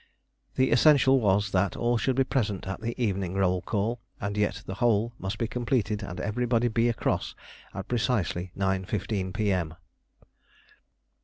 The essential was that all should be present at the evening roll call, and yet the hole must be completed and everybody be across at precisely 9.15 P.M.